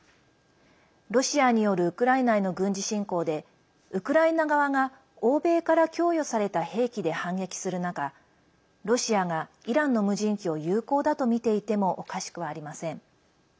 ロシアによるウクライナへの軍事侵攻で、ウクライナ側が欧米から供与された兵器で反撃する中ロシアがイランの無人機を有効だとみていてもおかしくはありません。